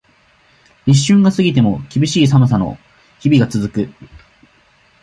立春が過ぎても、厳しい寒さの日々が続く。